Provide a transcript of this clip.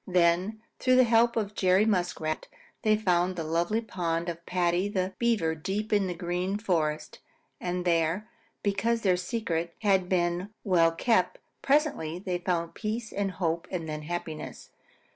Then, through the help of Jerry Muskrat, they found the lonely pond of Paddy the Beaver deep in the Green Forest, and there, because their secret had been well kept, presently they found peace and hope and then happiness.